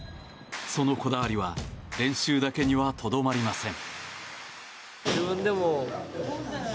そのこだわりは練習だけにはとどまりません。